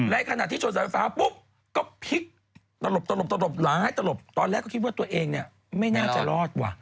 ขณะที่ชนสายฟ้าปุ๊บก็พลิกตลบตลบหลายตลบตอนแรกก็คิดว่าตัวเองเนี่ยไม่น่าจะรอดว่ะ